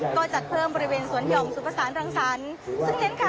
ก็จัดเพิ่มบริเวณสวนหย่องสุขสารทางสรรค์ซึ่งเน้นการแสดงวัฒนธรรมเกี่ยวกับประเพณีสงคราน